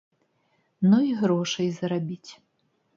Ну і грошай зарабіць.